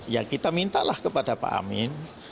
ya kita mintalah kepada pak amin